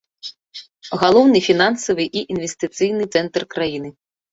Галоўны фінансавы і інвестыцыйны цэнтр краіны.